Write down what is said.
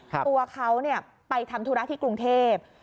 ตัวเขาไปทำธุระที่กรุงเทพ